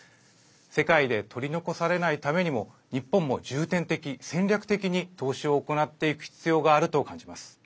世界で取り残されないためにも日本も重点的、戦略的に投資を行っていく必要があると感じます。